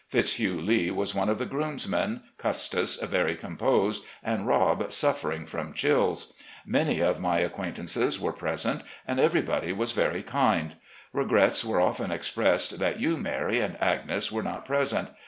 Fitzhugh Lee was one of the groomsmen, Custis very com posed, and Rob suffering from chills. Many of my acquaintances were present, and everybody was very kind. Regrets were often expressed that you, Mary, and Agnes were not present.